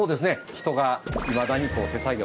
人がいまだにこう手作業。